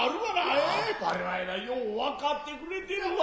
やっぱりよう分かってくれてるわ。